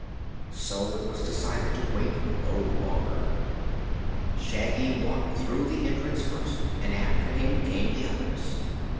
So it was decided to wait no longer. Shaggy walked through the entrance first, and after him came the others.